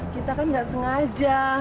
kita kan gak sengaja